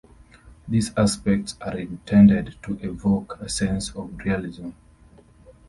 These aspects are intended to evoke a sense of realism.